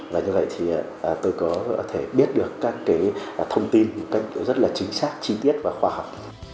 và như vậy thì tôi có thể biết được các cái thông tin một cách rất là chính xác chi tiết và khoa học